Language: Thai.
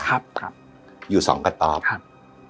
ครับครับอยู่สองกระตอบครับ